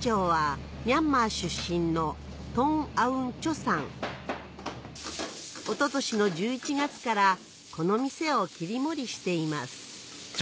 店長は一昨年の１１月からこの店を切り盛りしています